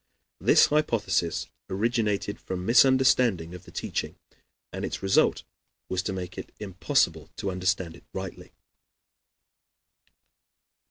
This hypothesis originated from misunderstanding of the teaching, and its result was to make it impossible to understand it rightly.